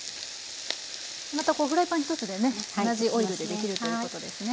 またこうフライパン一つでね同じオイルで出来るということですね。